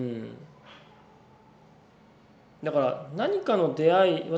だから何かの出会いまあ